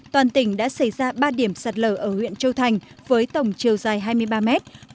toàn tỉnh đã xảy ra ba điểm sạt lở ở huyện châu thành với tổng chiều dài hai mươi ba mét